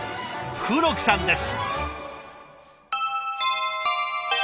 黒木さんです。